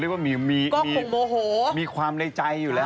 นางก็คือเรียกว่ามีความในใจอยู่แล้ว